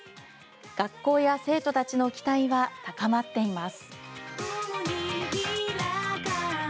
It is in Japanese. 学校や生徒たちの期待は高まっています。